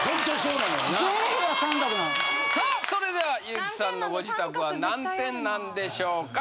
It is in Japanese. さあそれでは優木さんのご自宅は何点なんでしょうか？